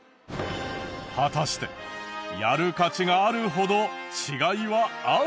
果たしてやる価値があるほど違いはあるのか？